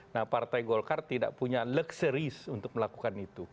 nah partai golkar tidak punya lekseris untuk melakukan itu